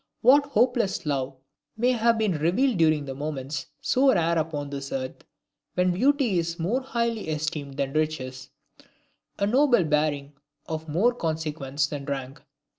What hopeless love may have been revealed during the moments so rare upon this earth; when beauty is more highly esteemed than riches, a noble bearing of more consequence than rank!